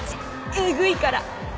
エグいから。